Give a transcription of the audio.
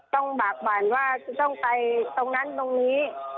บากบั่นว่าจะต้องไปตรงนั้นตรงนี้